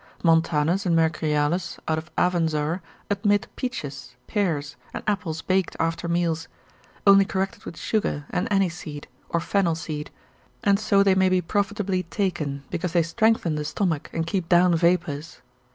Montanus and Mercurialis out of Avenzoar, admit peaches, pears, and apples baked after meals, only corrected with sugar, and aniseed, or fennel seed, and so they may be profitably taken, because they strengthen the stomach, and keep down vapours.